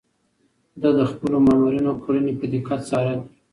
ده د خپلو مامورينو کړنې په دقت څارلې.